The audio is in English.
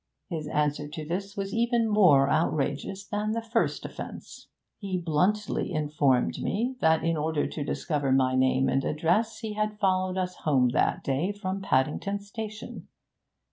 His answer to this was even more outrageous than the first offence. He bluntly informed me that in order to discover my name and address he had followed us home that day from Paddington Station!